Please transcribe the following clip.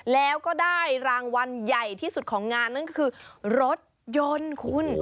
แล้วก็ได้รางวัลใหญ่ที่สุดของงานนั่นก็คือรถยนต์คุณ